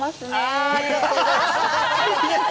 ありがとうございます。